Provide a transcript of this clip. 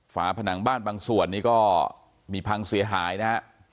ฝาผนังบ้านบางส่วนนี้ก็มีพังเสียหายนะฮะ